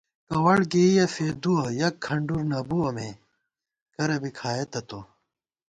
کوَڑگېئیَہ فېدِوَہ ، یَک کھنڈُر نہ بِوَہ مے کرہ بی کھائېتہ تو